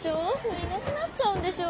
いなくなっちゃうんでしょ？